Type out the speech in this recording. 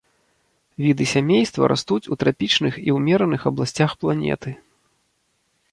Віды сямейства растуць у трапічных і ўмераных абласцях планеты.